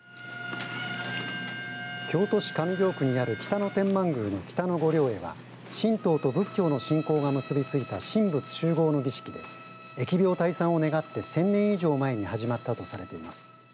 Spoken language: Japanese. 京都市上京区にある北野天満宮の北野御霊会は神道と仏教の信仰が結びついた神仏習合の儀式で疫病退散を願って１０００年以上前に始まったとされています。